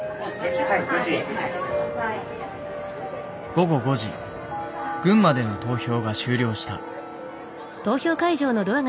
午後５時群馬での投票が終了した。